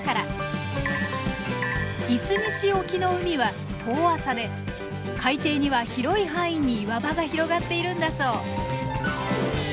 いすみ市沖の海は遠浅で海底には広い範囲に岩場が広がっているんだそう。